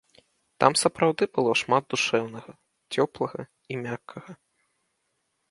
Там сапраўды было шмат душэўнага, цёплага і мяккага.